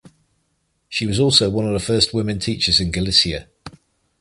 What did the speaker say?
She was also one of the first women teachers in Galicia.